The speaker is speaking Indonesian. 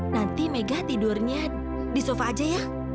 nanti mega tidurnya di sofa aja ya